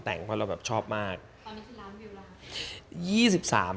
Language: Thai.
ตอนนี้ที่ล้านวิวอะไรครับ